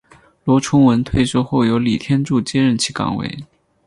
罗崇文退休后由李天柱接任其岗位。